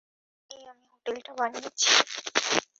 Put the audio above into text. একারণেই আমি হোটেলটা বানিয়েছি।